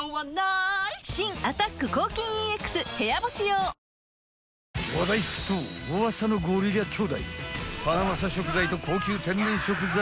新「アタック抗菌ＥＸ部屋干し用」いただき！